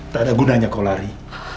tak ada gunanya kau lari